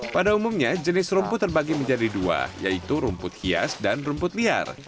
pada umumnya jenis rumput terbagi menjadi dua yaitu rumput hias dan rumput liar